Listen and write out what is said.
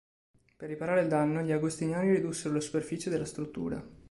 Per riparare il danno, gli agostiniani ridussero la superficie della struttura.